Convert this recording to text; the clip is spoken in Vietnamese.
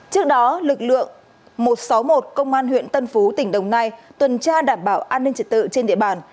trước đó lực lượng một trăm sáu mươi một công an huyện tân phú tỉnh đồng nai tuần tra đảm bảo an ninh trật tự trên địa bàn